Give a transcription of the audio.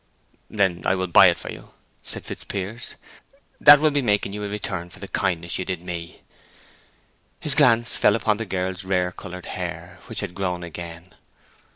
"Then I will buy it for you," said Fitzpiers. "That will be making you a return for a kindness you did me." His glance fell upon the girl's rare colored hair, which had grown again.